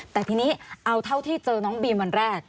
แต่ทีนี้เอาเท่าที่เจอน้องบีมวันแรก